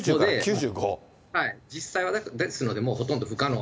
実際は、ですので、ほとんど不可能。